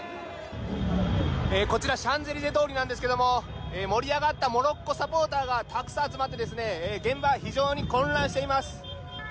こちらシャンゼリゼ通りなんですけども盛り上がったモロッコサポーターがたくさん集まって現場は非常に混乱しています。